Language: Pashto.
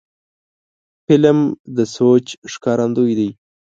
فلم د سوچ ښکارندوی دی